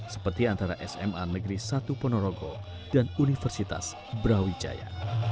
seperti antara sma negeri satu ponorogo dan universitas brawijaya